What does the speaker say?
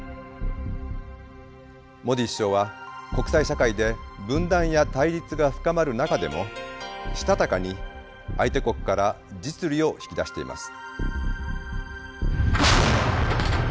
モディ首相は国際社会で分断や対立が深まる中でもしたたかに相手国から実利を引き出しています。